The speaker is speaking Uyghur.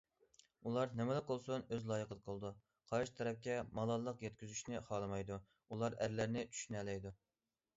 ئۇلار نېمىلا قىلسۇن، ئۆز لايىقىدا قىلىدۇ، قارشى تەرەپكە مالاللىق يەتكۈزۈشنى خالىمايدۇ، ئۇلار ئەرلەرنى چۈشىنەلەيدۇ.